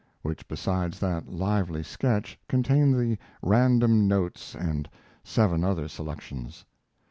which, besides that lively sketch, contained the "Random Notes" and seven other selections.